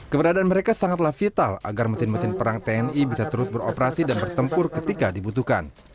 keberadaan mereka sangatlah vital agar mesin mesin perang tni bisa terus beroperasi dan bertempur ketika dibutuhkan